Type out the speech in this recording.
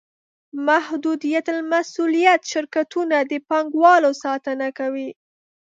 محدودالمسوولیت شرکتونه د پانګوالو ساتنه کوي.